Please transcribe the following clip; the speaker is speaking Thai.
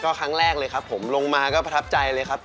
ครั้งแรกเลยครับผมลงมาก็ประทับใจเลยครับ